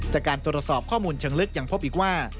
จากการตรวจสอบข้อมูลเชิงลึกยังพบอีกว่า